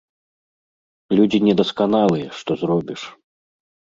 Людзі недасканалыя, што зробіш.